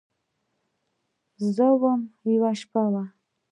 یوه زه وم ، یوه شپه وه